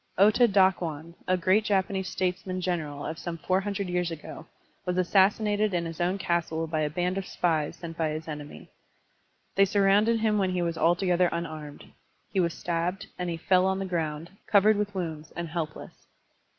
Ota Ddkwan, a great Japanese statesman general of some four htmdred years ago, was assassinated in his own castle by a band of spies sent by his enemy. They surrounded him when he was altogether tmarmed. He was stabbed, and he fell on the ground, covered with woimds and helpless.